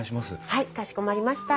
はいかしこまりました。